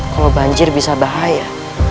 kalau banjir bisa bahaya